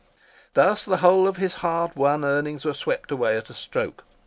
Thus the whole of his hard won earnings were swept away at a stroke.